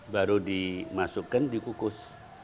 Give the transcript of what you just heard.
baru dimasukkan dikukus